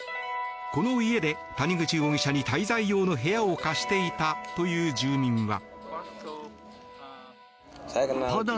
この家で谷口容疑者に滞在用の部屋を貸していたという住民は。